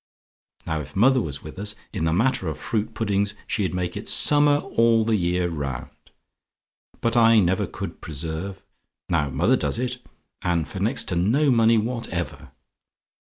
Now if mother was with us, in the matter of fruit puddings she'd make it summer all the year round. But I never could preserve now mother does it, and for next to no money whatever.